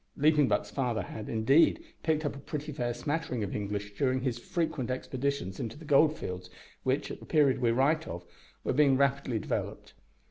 Leaping Buck's father had, indeed, picked up a pretty fair smattering of English during his frequent expeditions into the gold fields, which, at the period we write of, were being rapidly developed.